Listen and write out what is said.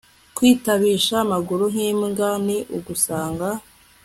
kwitabisha amaguru nk'imbwa ni ugusanga